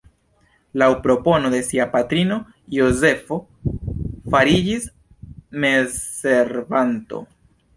Laŭ propono de sia patrino Jozefo fariĝis messervanto.